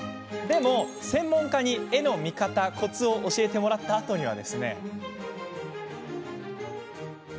でも、専門家に絵の見方、コツを教えてもらったあとには。